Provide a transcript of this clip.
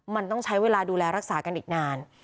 มันต้องใช้เวลาดูแลรักษากันอีกนาน